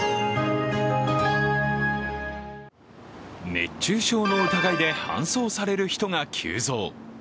熱中症の疑いで搬送される人が急増。